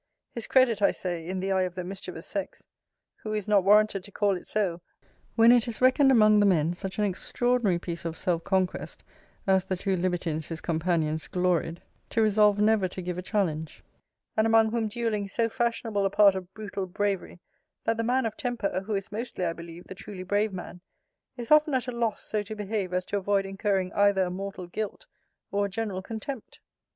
His credit, I say, in the eye of the mischievous sex: Who is not warranted to call it so; when it is re (as the two libertines his companions gloried) to resolve never to give a challenge; and among whom duelling is so fashionable a part of brutal bravery, that the man of temper, who is, mostly, I believe, the truly brave man, is often at a loss so to behave as to avoid incurring either a mortal guilt, or a general contempt?